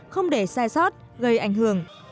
không để sai sót gây ảnh hưởng